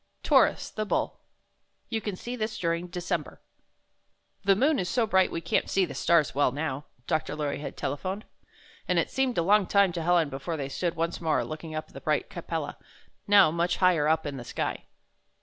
TAURUS, THE BULL You can see this during December "The moon is so bright we can't see the stars well, now," Dr. Lorry had telephoned, and it seemed a long time to Helen before they stood once more, looking up at the bright Capella, now much higher up in the sky.